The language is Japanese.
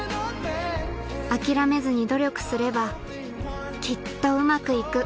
諦めずに努力すればきっとウマくいく